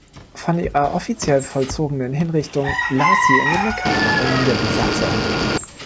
Von ihrer offiziell vollzogenen Hinrichtung las sie in den Bekanntmachungen der Besatzer.